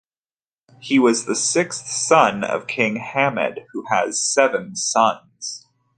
He was the sixth son of King Hamad who has seven sons.